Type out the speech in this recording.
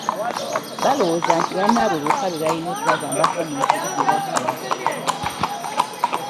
Balowooza nti bannaabwe bokka be balina okubagambako mu nsobi ze bakola.